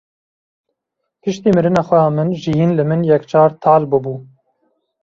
Piştî mirina xweha min jiyîn li min yekcar tehil bû bû.